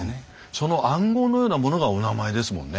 その暗号のようなものがお名前ですもんね。